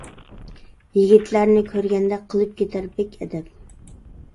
يىگىتلەرنى كۆرگەندە، قىلىپ كېتەر بەك ئەدەپ.